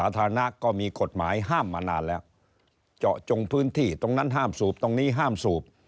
ตรงพื้นที่ตรงนั้นห้ามสูบตรงนี้ห้ามสูบ